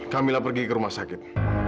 kamilah pergi ke rumah sakit